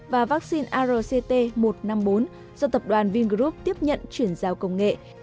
và vaccine arct một trăm năm mươi bốn do tập đoàn vingroup tiếp nhận chuyển giao công nghệ